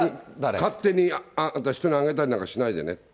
勝手に、人にあげたりなんかしないでねって。